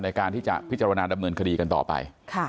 ในการที่จะพิจารณาดำเนินคดีกันต่อไป